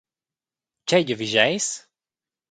Tgei giavischeis?